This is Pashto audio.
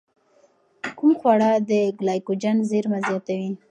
کوم خواړه د ګلایکوجن زېرمه زیاتوي؟